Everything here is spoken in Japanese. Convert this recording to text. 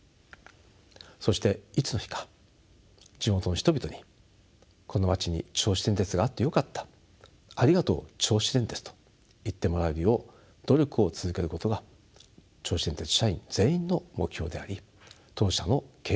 そしていつの日か地元の人々にこの町に銚子電鉄があってよかったありがとう銚子電鉄と言ってもらえるよう努力を続けることが銚子電鉄社員全員の目標であり当社の経営理念そのものであります。